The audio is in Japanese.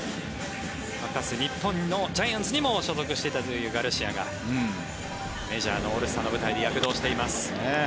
日本のジャイアンツにも所属していたというガルシアがメジャーのオールスターの舞台で躍動しています。